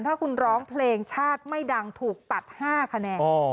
ถ้าคุณร้องเพลงชาติไม่ดังถูกตัด๕คะแนน